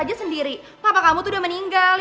iya raina papa kamu sudah meninggal